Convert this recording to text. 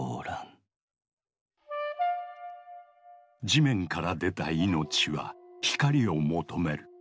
地面から出た命は光を求める。